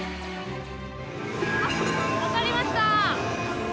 あ、当たりました。